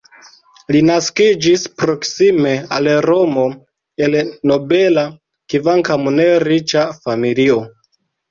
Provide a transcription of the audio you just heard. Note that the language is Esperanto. Li naskiĝis proksime al Romo el nobela, kvankam ne riĉa familio.